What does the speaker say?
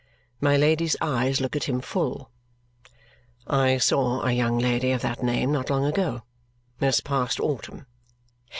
My Lady's eyes look at him full. "I saw a young lady of that name not long ago. This past autumn."